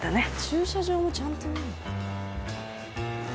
「駐車場もちゃんと見る」